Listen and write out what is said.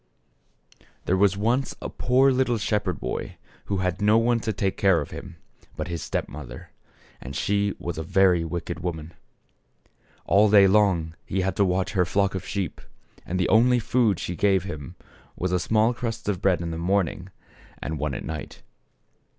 AM' There was once a poor little shepherd boy who had no one to take care of him but his step mother, and she was a very wicked woman. All day long he had to watch her flock of sheep, and the only food she. gave him was a small crust of bread in the morning and one at night.